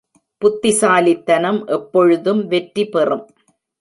புத்திசாலித்தனம் எப்பொழுதும் வெற்றி பெறும்.